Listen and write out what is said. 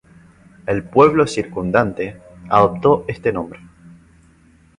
El Pueblo circundante, adoptó este nombre.